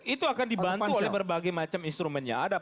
itu akan dibantu oleh berbagai macam instrumennya